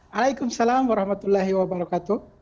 waalaikumsalam warahmatullahi wabarakatuh